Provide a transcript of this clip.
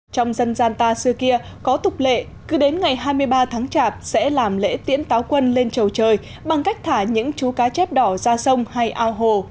trong dân gian ta xưa kia có tục lệ cứ đến ngày hai mươi ba tháng chạp sẽ làm lễ tiễn táo quân lên trầu trời bằng cách thả những chú cá chép đỏ ra sông hay ao hồ